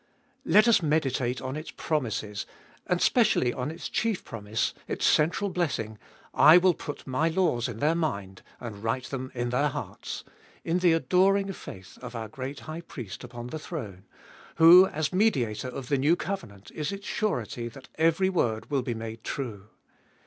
Let us meditate on its promises, and specially on its chief promise, its central blessing, I will put My laws in their mind, and write them in their hearts, in the adoring faith of our great High Priest upon the throne, who as Mediator of the new covenant is its surety that every word will be made true.